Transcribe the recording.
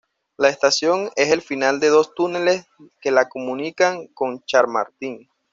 La estación es el final de dos túneles que la comunican con Chamartín.